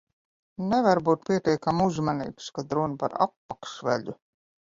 Nevar būt pietiekami uzmanīgs, kad runa par apakšveļu.